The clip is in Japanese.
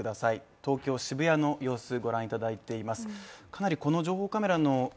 東京・渋谷の様子、確認していただいています。